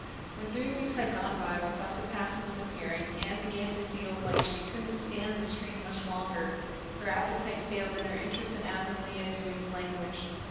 When three weeks had gone by without the pass list appearing Anne began to feel that she really couldn't stand the strain much longer. Her appetite failed and her interest in Avonlea doings languished.